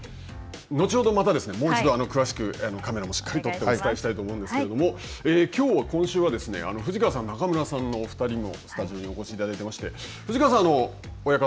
後ほどまたですねもう一度詳しくカメラもしっかり撮ってお伝えしたいと思うんですけどもきょう今週は藤川さん、中村さんのお２人もスタジオにお越しいただいてまして藤川さん